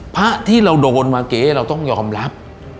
พระที่เราโดนมาเก๊เราต้องยอมรับ